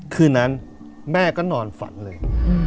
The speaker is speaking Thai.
คืนนั้นแม่ก็นอนฝันเลย